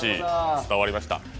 伝わりました。